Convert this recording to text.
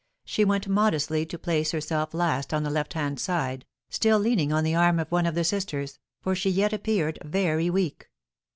She went modestly to place herself last on the left hand side, still leaning on the arm of one of the sisters, for she yet appeared very weak.